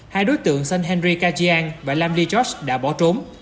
hai đối tượng sơn henry kajian và lam lee george đã bỏ trốn